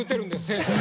先生